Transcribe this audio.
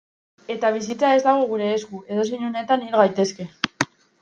Eta bizitza ez dago gure esku, edozein unetan hil gaitezke.